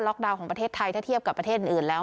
ดาวน์ของประเทศไทยถ้าเทียบกับประเทศอื่นแล้ว